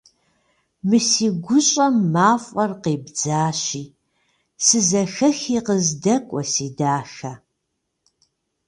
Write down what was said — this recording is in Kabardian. Мы си гущӏэм мафӏэр къебдзащи, сызэхэхи къыздэкӏуэ, си дахэ!